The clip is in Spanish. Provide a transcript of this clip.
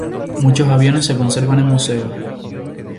Muchos aviones se conservan en museos.